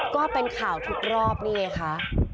ก็เป็นข่าวทุกรอบนี่ไงคะ